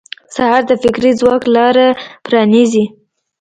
سهار د فکري ځواک لاره پرانیزي.